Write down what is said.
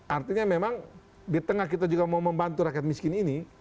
artinya memang di tengah kita juga mau membantu rakyat miskin ini